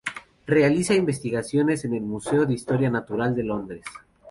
Realiza investigaciones en el Museo de Historia Natural de Londres.